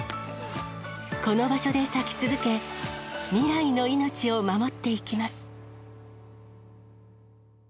この場所で咲き続け、未来の命を守っていきます。